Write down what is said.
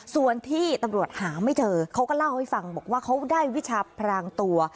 ส่วนที่ตำรวจหาไม่เจอเขาก็เล่าให้ฟังบอกว่าเขาได้วิชาพรางตัว